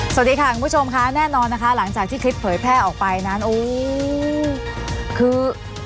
สวัสดีค่ะคุณผู้ชมค่ะแน่นอนนะคะหลังจากที่คลิปเผยแพร่ออกไปนั้นโอ้คือ